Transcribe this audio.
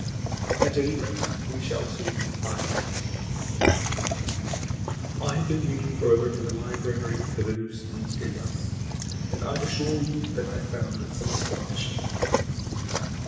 "At any rate, we shall soon find out. I have been reading further in the library the Venusians gave us, and I assure you that I've found some astonishing things."